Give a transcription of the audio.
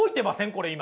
これ今。